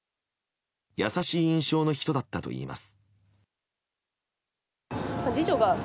優しい印象の人だったといいます。